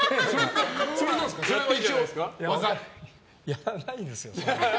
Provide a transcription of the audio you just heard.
やらないですよ。